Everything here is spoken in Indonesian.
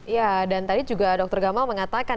ya dan tadi juga dokter gamal mengatakan